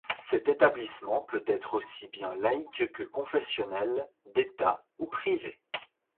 Cet établissement peut être aussi bien laïque que confessionnel, d'État ou privé.